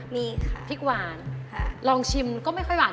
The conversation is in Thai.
มันก็มีหลายอย่าง